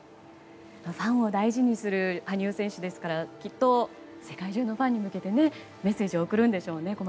ファンを大事にする羽生選手ですからきっと世界中のファンに向けてメッセージを送るんでしょうね。